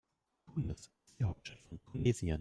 Tunis ist die Hauptstadt von Tunesien.